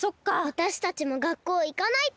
わたしたちもがっこういかないと。